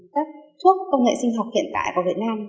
các thuốc công nghệ sinh học hiện tại của việt nam